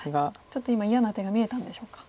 ちょっと今嫌な手が見えたんでしょうか。